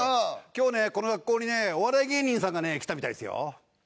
「今日ねこの学校にねお笑い芸人さんがね来たみたいですよ」。